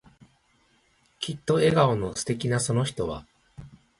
きっと笑顔の素敵なその人は、